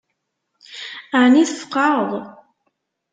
Ɛni tfeqɛeḍ?